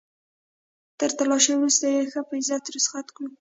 تر تلاشۍ وروسته يې ښه په عزت رخصت کړو.